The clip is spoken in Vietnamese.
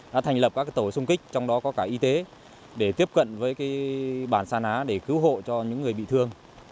đã thành lập các tổ xung kích trong đó có cả y tế để tiếp cận với bản sa ná để cứu hộ cho những người bị thương